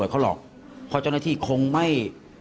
เขาหรอกเพราะเจ้าหน้าที่คงไม่